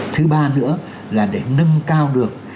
thứ ba nữa là để nâng cao được